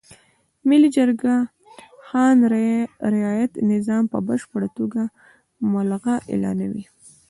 ملي جرګه خان رعیت نظام په بشپړه توګه ملغا اعلانوي.